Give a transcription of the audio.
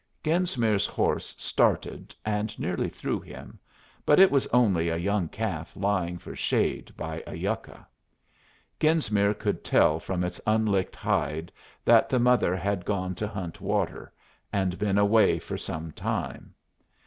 Genesmere's horse started and nearly threw him, but it was only a young calf lying for shade by a yucca. Genesmere could tell from its unlicked hide that the mother had gone to hunt water, and been away for some time.